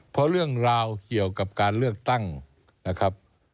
เพราะเรื่องราวเกี่ยวกับการเลือกตั้งนะครับ